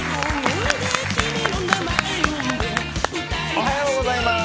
おはようございます。